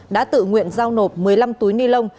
đã tự nguyện giao nộp một mươi năm túi ni lông